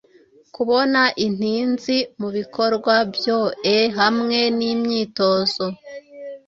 kubona intinzi mubikorwa byoe Hamwe nimyitozo,